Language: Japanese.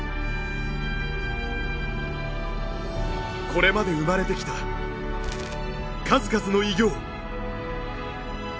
これまで生まれてきた数々の偉業。